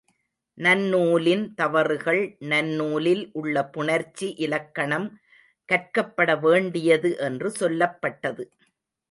நன்னூலின் தவறுகள் நன்னூலில் உள்ள புணர்ச்சி இலக்கணம் கற்கப்பட வேண்டியது என்று சொல்லப்பட்டது.